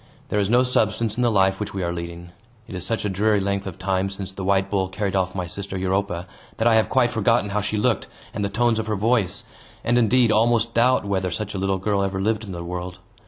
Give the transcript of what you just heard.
There is no substance in the life which we are leading. It is such a dreary length of time since the white bull carried off my sister Europa, that I have quite forgotten how she looked, and the tones of her voice, and, indeed, almost doubt whether such a little girl ever lived in the world.